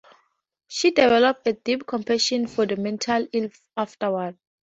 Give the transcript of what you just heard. She developed a deep compassion for the mentally ill afterward.